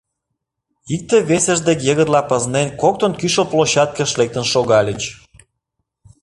Икте-весышт дек йыгырла пызнен, коктын кӱшыл площадкыш лектын шогальыч.